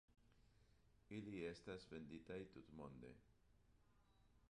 Ili estas venditaj tutmonde.